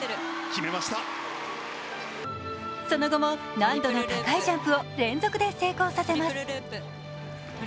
その後も、難度の高いジャンプを連続で成功させます。